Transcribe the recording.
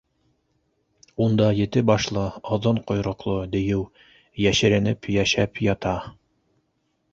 Унда ете башлы, оҙон ҡойроҡло дейеү йәшеренеп йәшәп ята.